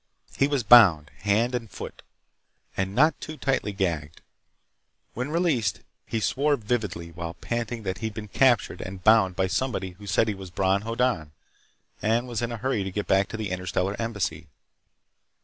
He was bound hand and foot and not too tightly gagged. When released he swore vividly while panting that he had been captured and bound by somebody who said he was Bron Hoddan and was in a hurry to get back to the Interstellar Embassy.